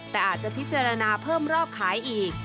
แต่อาจจะพิจารณาเพิ่มรอบขายอีก